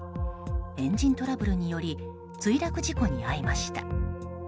エンジントラブルにより墜落事故に遭いました。